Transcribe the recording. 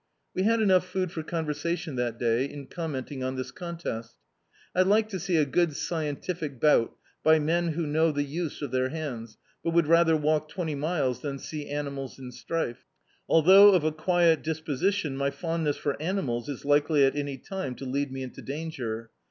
We had enough food for conversation that day, in conmenting on this contest. I like to sec a good scientific bout by men who know the use of their hands, but would rather walk twenty miles than see animals in strife. Althou^ of a quiet dis position, my fondness for animals is likely at any time to lead me into danger.